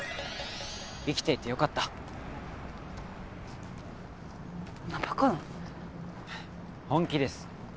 生きていてよかったんなバカな本気です